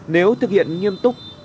nếu thực hiện nghiêm túc